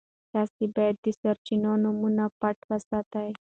تاسي باید د سرچینو نومونه پټ وساتئ.